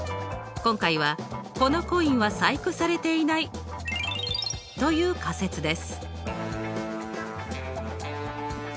今回は「このコインは細工されている」が対立仮説です。